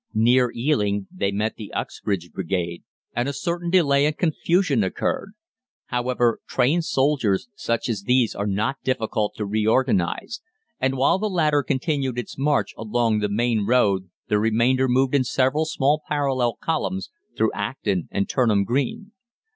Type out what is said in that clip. Near Ealing they met the Uxbridge brigade, and a certain delay and confusion occurred. However, trained soldiers such as these are not difficult to reorganise, and while the latter continued its march along the main road the remainder moved in several small parallel columns through Acton and Turnham Green.